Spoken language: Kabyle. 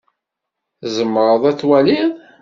Tzemreḍ ad twaliḍ?